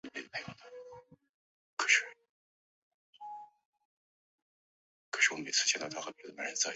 斯泰纳姆任组织的董事。